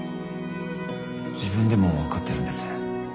自分でも分かってるんです。